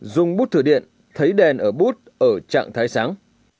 dùng bút thử điện thấy đèn ở bút ở trạng thái sáng